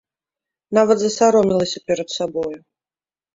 Нават засаромелася перад сабою.